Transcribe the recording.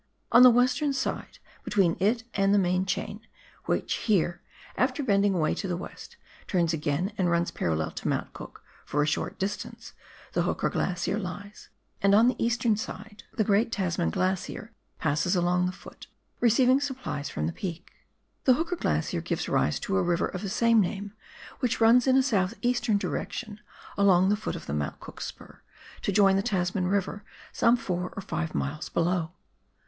On the western side, between it and the main chain, which here, after bending away to the west, turns again and runs parallel to Mount Cook for a short distance, the Hooker Glacier lies, and on the eastern side the great Tasman * See Appendix, Note II. 14 PIONEER WORK IN THE ALPS OF NEW ZEALAND. Glacier passes along tlie foot, receiving supplies from tlie peak. Tlie Hooker Glacier gives rise to a river of the same name which runs in a south eastern direction along the foot of the Mount Cook spur to join the Tasman Eiver some four or five miles below.